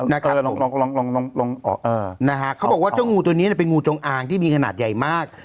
นะครับเออนะฮะเขาบอกว่าตัวนี้เป็นงูจงอ่างที่มีขนาดใหญ่มาก